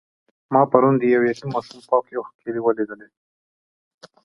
ما پرون د یو یتیم ماشوم پاکې اوښکې ولیدلې.